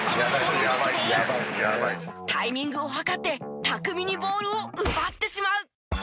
タイミングを計って巧みにボールを奪ってしまう。